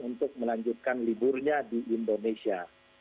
untuk melanjutkan liburnya di indonesia